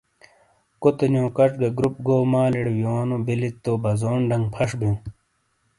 کُوتے نیو کچ گہ گُروپ گو مالِیڑے وییونو بیلی تو بزون ڈنگ پھش بِیوں۔